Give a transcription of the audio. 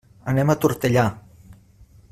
Anem a Tortellà.